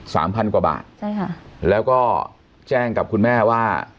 สามพันกว่าบาทใช่ค่ะแล้วก็แจ้งกับคุณแม่ว่า